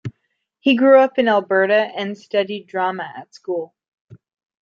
He grew up in Alberta and studied drama at school.